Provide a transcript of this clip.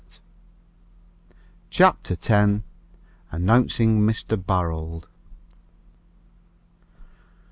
CHAPTER X. ANNOUNCING MR. BAROLD.